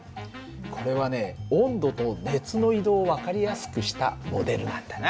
これはね温度と熱の移動を分かりやすくしたモデルなんだな。